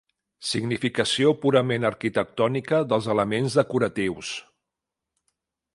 Significació purament arquitectònica dels elements decoratius.